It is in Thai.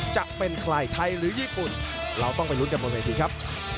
จะเป็นใครไทยหรือญี่ปุ่นเราต้องไปลุ้นกันบนเวทีครับ